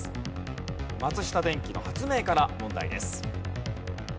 松下電器の発明から問題です。